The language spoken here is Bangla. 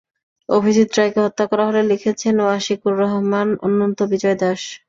অভিজিৎ রায়কে হত্যা করা হলে লিখেছেন ওয়াশিকুর রহমান, অনন্ত বিজয় দাশ।